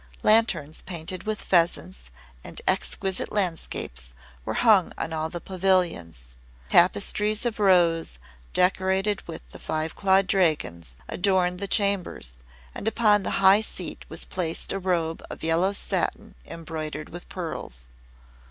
Lanterns painted with pheasants and exquisite landscapes were hung on all the pavilions. Tapestries of rose, decorated with the Five Clawed Dragons, adorned the chambers; and upon the High Seat was placed a robe of yellow satin embroidered with pearls.